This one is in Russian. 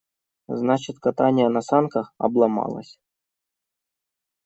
Значит, катание на санках «обломалось».